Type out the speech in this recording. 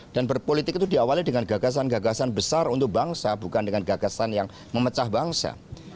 berpolitik itu diawali dengan gagasan gagasan besar untuk bangsa bukan dengan gagasan yang memecah bangsa